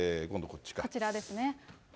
こちらですね。